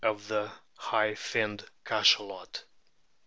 of the " High finned Cachalot."